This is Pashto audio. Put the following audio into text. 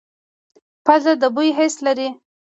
پوزه د بوی حس لري